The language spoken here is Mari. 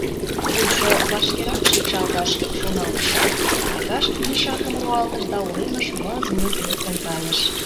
Лучо вашкерак шикшалташ», — шоналтышат, Аркаш мешакым руалтыш да уремыш мыз-муз лектын кайыш.